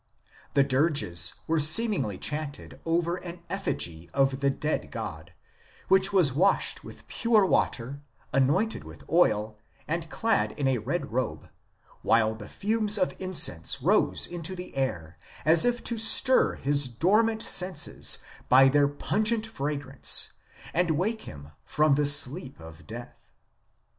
The dirges were seem ingly chanted over an effigy of the dead god, which was washed with pure water, anointed with oil, and clad in a red robe, while the fumes of incense rose into the air, as if to stir his dormant senses by their pungent fragrance and wake him from the sleep of death."